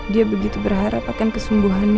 dia begitu berharap akan kesungguhannya